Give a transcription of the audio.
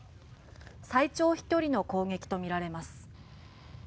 最長飛距離の攻撃とみられます。